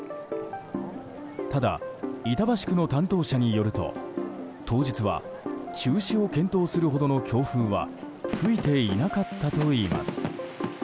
ただ、板橋区の担当者によると当日は中止を検討するほどの強風は吹いていなかったといいます。